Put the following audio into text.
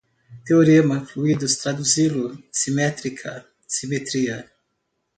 Teorema, fluidos, traduzi-lo, simétrica, simetria